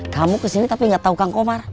kamu kesini tapi gak tau kang komar